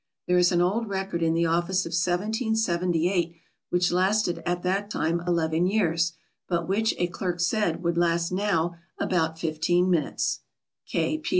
There is an old record in the office of 1778, which lasted at that time eleven years, but which, a clerk said, would last now about fifteen minutes.